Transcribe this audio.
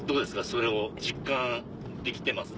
それを実感できてます？